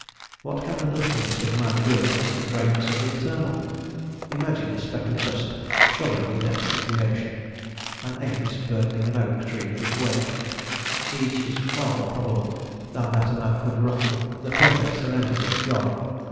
What can the littleness of man do against the greatness of the Eternal! Imagine a speck of dust troubling the depths of the ocean, an aphis burdening an oak tree with its weight: each is far more probable than that a man could ruffle the perfect serenity of God.